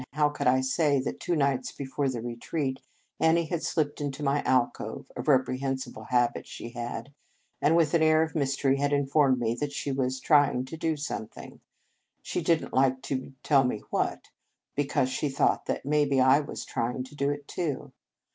How could I say that two nights before the retreat, Annie had slipped into my alcove, a reprehensible habit she had, and, with an air of mystery, had informed me she was "trying to do something," she didn t like to tell me what, because she thought that maybe I was trying to do it, too.